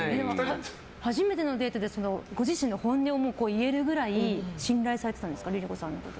初めてのデートでご自身の本音を言えるくらい信頼されてたんですかＬｉＬｉＣｏさんのこと。